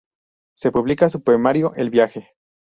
Se publica su poemario "El viaje".